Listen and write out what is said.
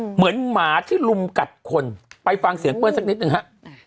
หมาที่ลุมกัดคนไปฟังเสียงเปิ้ลสักนิดหนึ่งฮะ